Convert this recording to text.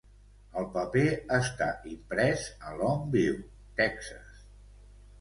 El paper està imprès a Longview, Texas.